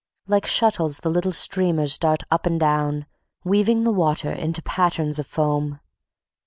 Like shuttles the little steamers dart up and down, weaving the water into patterns of foam.